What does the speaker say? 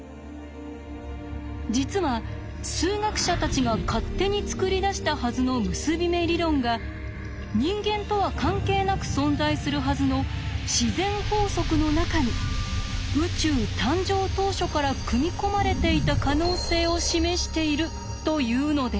実は数学者たちが勝手に作り出したはずの結び目理論が人間とは関係なく存在するはずの自然法則の中に宇宙誕生当初から組み込まれていた可能性を示しているというのです。